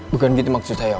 bukan gitu maksud saya